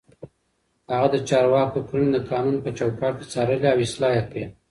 هغه د چارواکو کړنې د قانون په چوکاټ کې څارلې او اصلاح يې کړې.